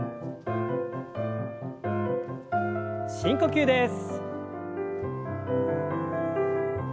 深呼吸です。